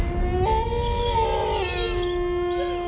โอ้โห